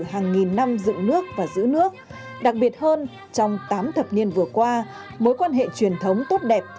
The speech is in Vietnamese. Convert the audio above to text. hàng nghìn năm dựng nước và giữ nước đặc biệt hơn trong tám thập niên vừa qua mối quan hệ truyền thống tốt đẹp